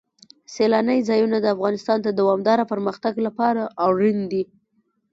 سیلانی ځایونه د افغانستان د دوامداره پرمختګ لپاره اړین دي.